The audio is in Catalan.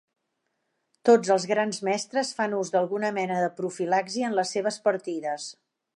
Tots els Grans Mestres fan ús d'alguna mena de profilaxi en les seves partides.